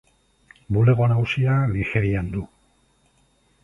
Bulego nagusia Nigerian du.